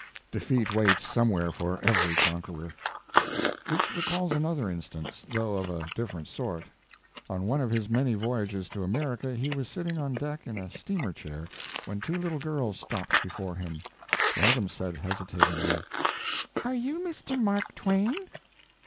Defeat waits somewhere for every conqueror. Which recalls another instance, though of a different sort. On one of his many voyages to America, he was sitting on deck in a steamer chair when two little girls stopped before him. One of them said, hesitatingly: "Are you Mr. Mark Twain?"